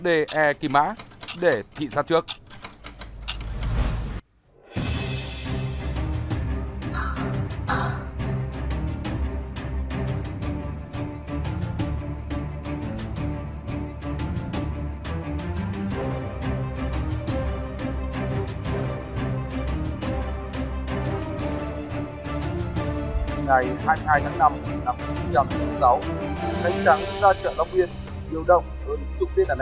điểm đột phá